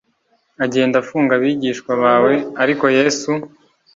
agenda afunga abigishwa bawe ariko yesu